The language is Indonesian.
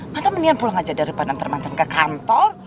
mancan mendingan pulang aja daripada nantai mancan ke kantor